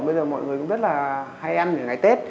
bây giờ mọi người cũng rất là hay ăn những ngày tết